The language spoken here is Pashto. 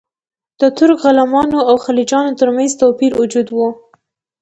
د ترک غلامانو او خلجیانو ترمنځ توپیر موجود و.